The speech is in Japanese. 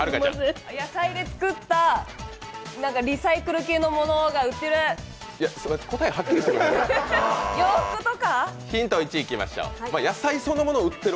野菜で作ったリサイクル系のものが売っている。